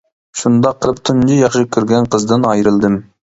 شۇنداق قىلىپ تۇنجى ياخشى كۆرگەن قىزدىن ئايرىلدىم.